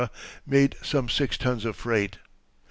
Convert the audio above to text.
made some six tons of freight.